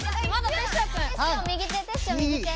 テッショウ右手テッショウ右手。